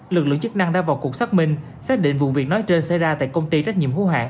lực lượng chức năng đã vào cuộc xác minh xác định vụ việc nói trên xảy ra tại công ty trách nhiệm hữu hạng